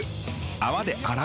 泡で洗う。